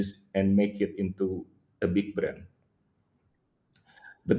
dan membuatnya menjadi brand besar